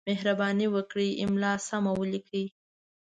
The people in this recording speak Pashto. مهرباني وکړئ! املا سمه ولیکئ!